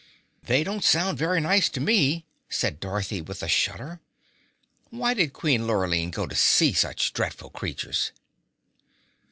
"They don't sound very nice to me," said Dorothy with a shudder. "Why did Queen Lurline go to see such dreadful creatures?"